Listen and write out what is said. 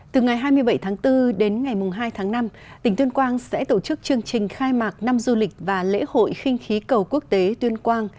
từ ngày hai mươi bảy tháng bốn đến ngày hai tháng năm tỉnh tuyên quang sẽ tổ chức chương trình khai mạc năm du lịch và lễ hội khinh khí cầu quốc tế tuyên quang